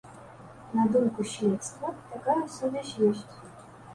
На думку следства, такая сувязь ёсць.